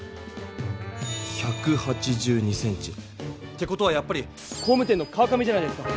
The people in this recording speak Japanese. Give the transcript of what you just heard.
１８２ｃｍって事はやっぱり工務店の川上じゃないですか？